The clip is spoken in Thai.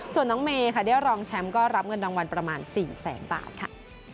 ส่วนน้องเมย์ค่ะได้รองแชมป์ก็รับเงินรางวัลประมาณ๔แสนบาทค่ะ